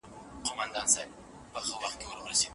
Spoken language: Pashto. د همغږي مزاج درلودل تر ټولو لویه بریا ده.